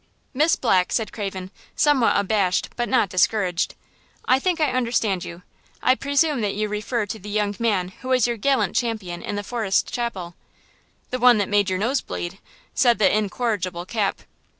"Miss Black," said Craven, somewhat abashed but not discouraged. "I think I understand you. I presume that you refer to the young man who was your gallant champion in the Forest Chapel." "The one that made your nose bleed," said the incorrigible Cap.